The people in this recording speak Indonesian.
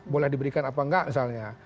boleh diberikan apa enggak misalnya